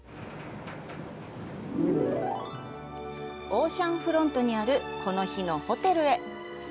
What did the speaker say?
オーシャンフロントにあるこの日のホテルへ。